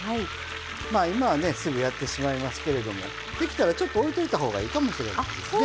まあ今はねすぐやってしまいますけれどもできたらちょっとおいておいたほうがいいかもしれないですね